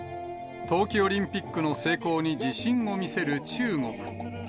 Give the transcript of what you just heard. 冬季オリンピックの成功に自信を見せる中国。